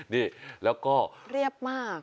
นี่แล้วก็เรียบมาก